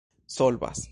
solvas